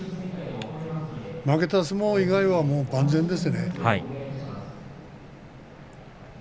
負けた相撲以外は万全ですね。